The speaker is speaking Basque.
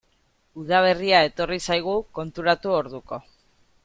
Udaberria etorri zaigu, konturatu orduko.